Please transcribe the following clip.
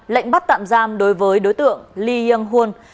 lệnh bắt tạm giam đối với đối tượng lee hyung won